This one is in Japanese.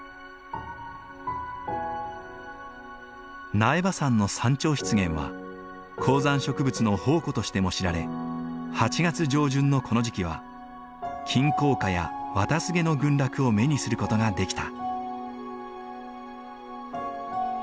苗場山の山頂湿原は高山植物の宝庫としても知られ８月上旬のこの時期はキンコウカやワタスゲの群落を目にする事ができた。